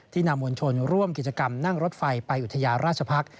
นำมวลชนร่วมกิจกรรมนั่งรถไฟไปอุทยานราชพักษ์